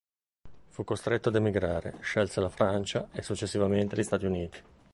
Fu costretto ad emigrare, scelse la Francia e, successivamente gli Stati Uniti.